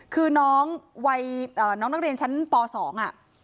คือน้องวัยนอกเรียนทางชั้นป๒